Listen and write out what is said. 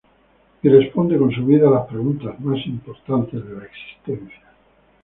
Y responde con su vida a las preguntas más importantes de la existencia.